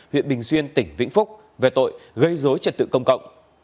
huyện bình xuyên tỉnh vĩnh phúc về tội gây dối trật tự công cộng